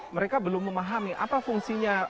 mereka belum memahami apa fungsinya